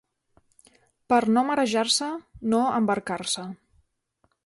Per no marejar-se, no embarcar-se.